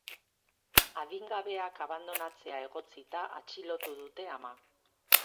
Adingabeak abandonatzea egotzita atxilotu dute ama.